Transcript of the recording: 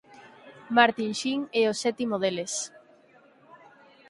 Martin Sheen é o sétimo deles.